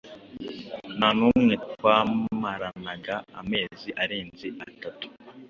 nta n’umwe twamaranaga amezi arenze atatu